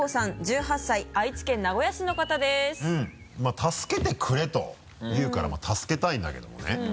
助けてくれと言うから助けたいんだけどもね。